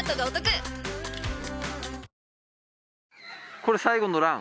これ最後のラン。